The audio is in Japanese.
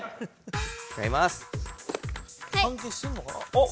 おっ。